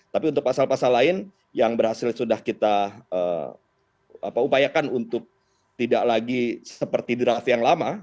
tapi untuk pasal pasal lain yang berhasil sudah kita upayakan untuk tidak lagi seperti draft yang lama